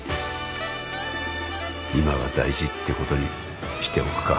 今が大事ってことにしておくか。